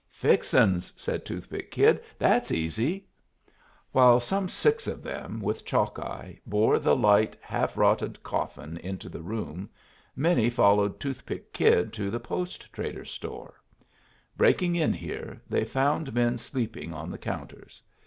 "Fixin's!" said Toothpick Kid. "That's easy." While some six of them, with Chalkeye, bore the light, half rotted coffin into the room, many followed Toothpick Kid to the post trader's store. Breaking in here, they found men sleeping on the counters.